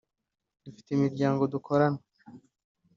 Dufite imiryango dukorana